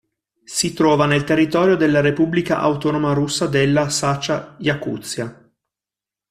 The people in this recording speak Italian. Si trova nel territorio della repubblica autonoma russa della Sacha-Jacuzia.